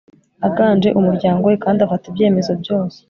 aganje umuryango we kandi afata ibyemezo byose